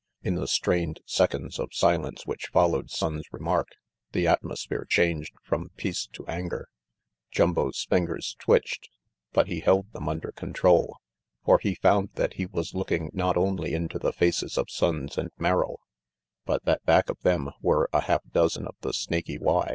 In the strained seconds of silence which followed Sonnes' remark, the atmosphere changed from peace to anger. Jumbo's fingers twitched, but he held them 196 RANGY PETE under control. For he found that he was looking not only into the faces of Sonnes and Merrill, but that back of them were a half dozen of the Snaky Y.